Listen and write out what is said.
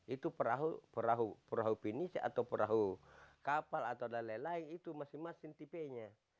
itu perahu perahu penis atau perahu kapal atau lain lain itu masing masing tipenya